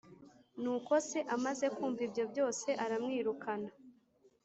Nuko se amaze kumva ibyo byose aramwirukana